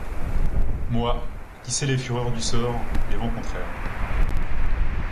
Moi, qui sais les fureurs du sort, les vents contraires